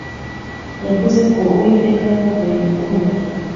Yavuze ko uwiteka yabakoreye ibikomeye